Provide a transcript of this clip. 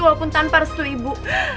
walaupun tanpa restu ibu